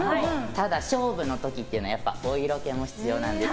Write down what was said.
ただ、勝負の時っていうのはお色気も必要なんです。